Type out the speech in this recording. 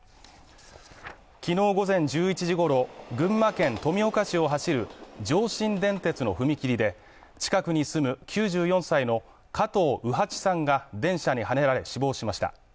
昨日午前１１時ごろ群馬県富岡市を走る上信電鉄の踏切で近くに住む９４歳の加藤卯八さんが電車にはねられ、死亡しました。